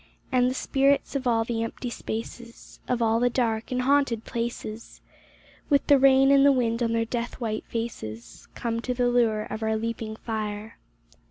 And the spirits of all the empty spaces. Of all the dark and haunted places, With the rain and the wind on their death white faces. Come to the lure of our leaping fire.